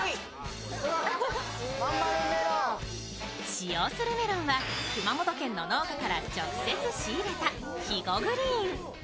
使用するメロンは熊本県の農家から直接仕入れた肥後グリーン。